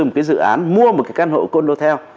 một cái dự án mua một cái căn hộ cô đô theo